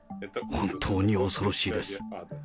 本当に恐ろしいです。